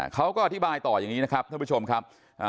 เขาก็อธิบายต่ออย่างนี้นะครับท่านผู้ชมครับ